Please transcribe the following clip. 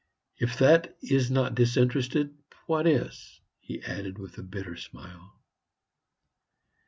If that is not disinterested, what is?" he added with a bitter smile.